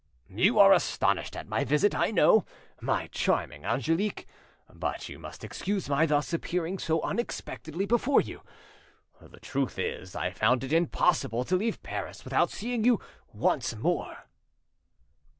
"You are astonished at my visit, I know, my charming Angelique. But you must excuse my thus appearing so unexpectedly before you. The truth is, I found it impossible to leave Paris without seeing you once more."